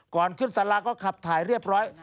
ก่อนขึ้นสาราการประเรียนก็ขับถ่ายเรียบร้อย